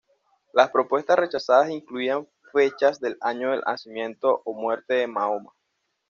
Las propuestas rechazadas incluían fechas del año del nacimiento o muerte de Mahoma.